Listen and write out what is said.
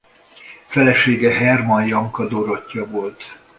Felesége Hermann Janka Dorottya volt.